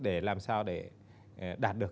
để làm sao để đạt được